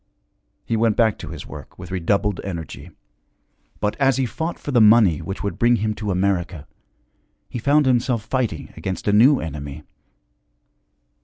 He went back to his work with redoubled energy. But as he fought for the money which would bring him to America, he found himself fighting against a new enemy.